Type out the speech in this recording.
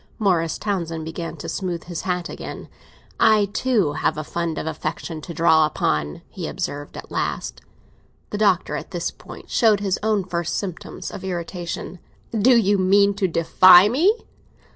Morris Townsend began to smooth his hat again. "I too have a fund of affection to draw upon!" he observed at last. The Doctor at this point showed his own first symptoms of irritation. "Do you mean to defy me?"